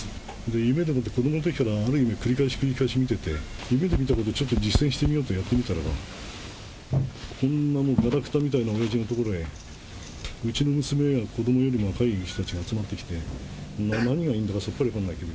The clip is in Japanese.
夢でもって、子どものときからある夢を繰り返し繰り返し見てて、夢で見たことをちょっと実践してみようってやってみたら、こんな、がらくたみたいなおやじの所へ、うちの娘や子どもよりも若い人たちが集まってきて、何がいいんだかさっぱり分からないんだけど。